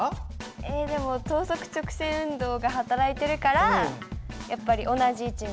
えでも等速直線運動が働いてるからやっぱり同じ位置に。